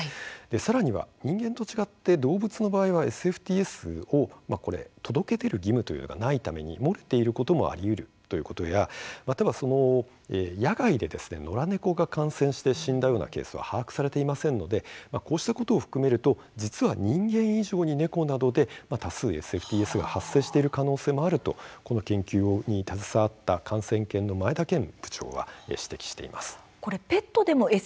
さらには人間と違って動物の場合、ＳＦＴＳ届け出る義務というのがないため漏れていることもありうるということやまた野外で野良猫が感染して死んだようなケースは把握されていませんのでこうしたことを含めると実は人間以上に猫などで多数でＳＦＴＳは発生しているということがこの研究に携わった感染研の前田健部長は指摘しています。